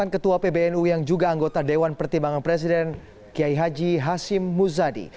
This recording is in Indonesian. ketua pbnu yang juga anggota dewan pertimbangan presiden kiai haji hashim muzadi